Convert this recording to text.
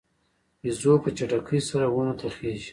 بیزو په چټکۍ سره ونو ته خیژي.